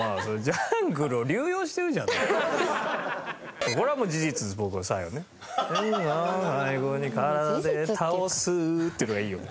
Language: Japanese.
「ジェンガを最後に体で倒す」っていうのがいいよね。